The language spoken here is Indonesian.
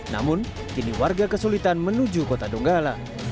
namun kini warga kesulitan menuju kota donggala